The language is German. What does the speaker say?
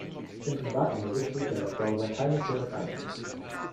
Im privaten Modus legt der Webbrowser keine Chronik an.